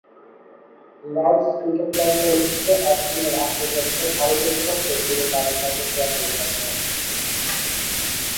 Lord's cricket গ্রাউন্ডে অনুষ্ঠিত একদিনের আন্তর্জাতিকে ভারতের বিপক্ষে তিনি তার এ সর্বোচ্চ রানের রেকর্ড গড়েন।